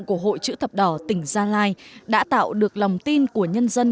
của hội chữ thập đỏ tỉnh gia lai đã tạo được lòng tin của nhân dân